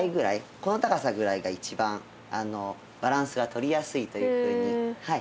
この高さぐらいが一番バランスがとりやすいというふうにいわれております。